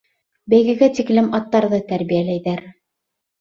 Бәйгегә тиклем аттарҙы тәрбиәләйҙәр.